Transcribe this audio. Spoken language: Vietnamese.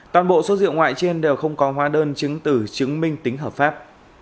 toàn bộ số rượu ngoại trên đều không có hóa đơn chứng tử chứng minh tính hợp pháp